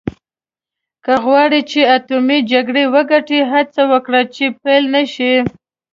که غواړې چې اټومي جګړه وګټې هڅه وکړه چې پیل نه شي.